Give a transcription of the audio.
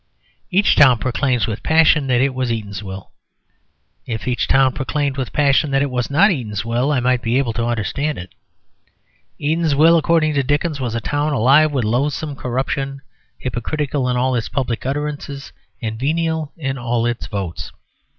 Each town proclaims with passion that it was Eatanswill. If each town proclaimed with passion that it was not Eatanswill, I might be able to understand it. Eatanswill, according to Dickens, was a town alive with loathsome corruption, hypocritical in all its public utterances, and venal in all its votes.